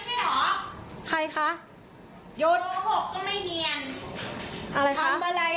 กันไม่ใช่หรอใครค่ะหกก็ไม่เดียนอะไรค่ะทำอะไรอ่ะ